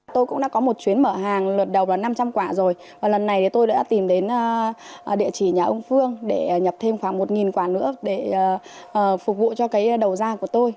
tôi cũng đã có một chuyến mở hàng lượt đầu là năm trăm linh quả rồi và lần này thì tôi đã tìm đến địa chỉ nhà ông phương để nhập thêm khoảng một quả nữa để phục vụ cho cái đầu da của tôi